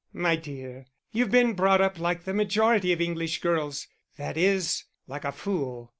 "My dear, you've been brought up like the majority of English girls that is, like a fool."